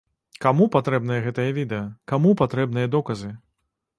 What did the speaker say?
Каму патрэбнае гэтае відэа, каму патрэбныя доказы?